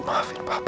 dia akan phi'ab